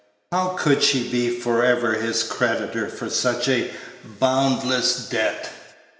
How could she be for ever his creditor for such a boundless debt?